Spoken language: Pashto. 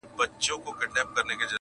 نن که سباوي زموږ ځیني تله دي -